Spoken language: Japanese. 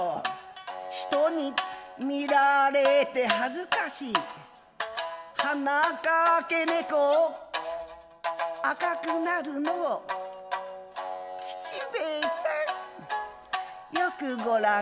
人に見られて恥かしい鼻かけ猫を赤く成るのを「吉兵衛さんよくごらん」。